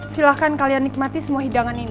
silahkan kalian nikmati semua hidangan ini